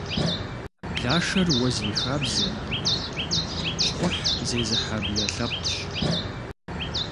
Блашэр уэ зи хабзэ, щхъухь зезыхьэ блэ лъэпкъщ.